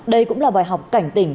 đây cũng là bài học cảnh tỉnh